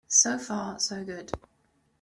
So far so good.